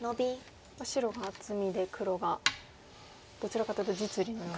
白が厚みで黒がどちらかというと実利のような。